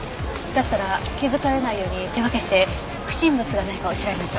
だったら気づかれないように手分けして不審物がないかを調べましょう。